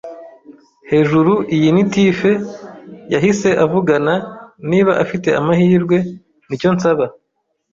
hejuru. Iyi ni tiffe; yahise avugana 'niba afite amahirwe, nicyo nsaba